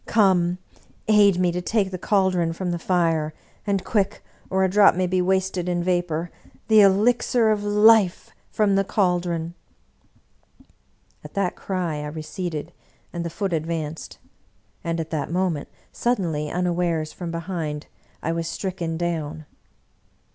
come! Aid me to take the caldron from the fire; and, quick !— or a drop may be wasted in vapor — ^the Elixir of Life from the caldron 1 " At that cry I receded, and the Foot advanced. And at that moment, suddenly, unawares, from behind, I was stricken down.